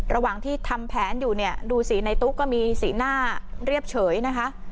ระหว่างที่ทำแผนอยู่เนี่ยดูสิในตุ๊กก็มีสีหน้าเรียบเฉยนะคะ